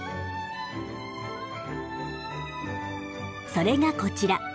それがこちら。